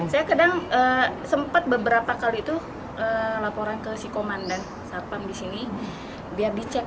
saya kadang sempat beberapa kali itu laporan ke si komandan satpam di sini biar dicek